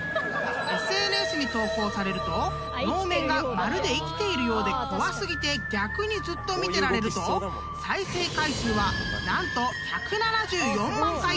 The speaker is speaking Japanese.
［ＳＮＳに投稿されると能面がまるで生きているようで怖過ぎて逆にずっと見てられると再生回数は何と］